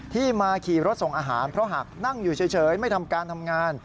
ที่มาขี่รถส่งอาหารเพราะหากนั่งอยู่เฉยไม่ทำการทำงาน